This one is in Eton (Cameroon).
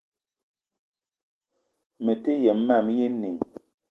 Mete yem mam éè inìng